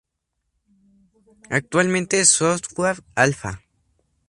Actualmente es software alpha.